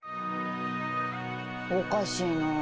おかしいなあ。